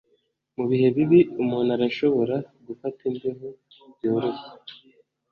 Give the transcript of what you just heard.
Mu bihe bibi umuntu arashobora gufata imbeho byoroshye